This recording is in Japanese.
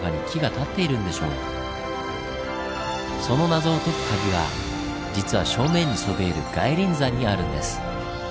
その謎を解く鍵は実は正面にそびえる外輪山にあるんです。